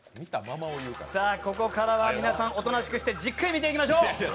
ここからは皆さん、おとなしくしてじっくり見ていきましょう。